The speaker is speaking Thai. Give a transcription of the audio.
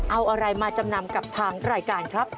เอาอะไรมาจำนำกับทางรายการครับ